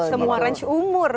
semua range umur